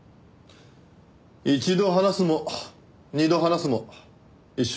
一度話すも二度話すも一緒だろ？